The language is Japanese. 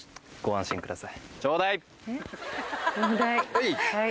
はい！